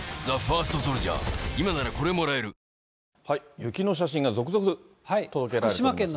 雪の写真が続々と届けられていますが。